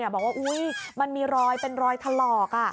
บอกว่าอุ๊ยมันมีรอยเป็นรอยถลอก